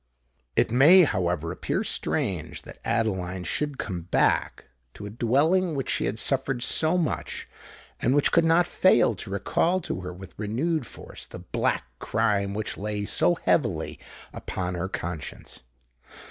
It may, however, appear strange that Adeline should come back to a dwelling where she had suffered so much, and which could not fail to recall to her with renewed force the black crime which lay so heavily upon her conscience.